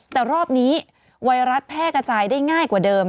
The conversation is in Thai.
แต่รอบนี้ไวรัสแพร่กระจายได้ง่ายกว่าเดิม